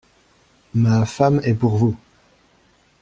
Ma femme est pour vous…